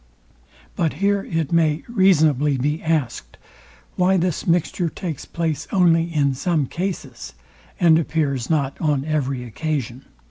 But here it may reasonably be asked, why this mixture takes place only in some cases, and appears not on every occasion.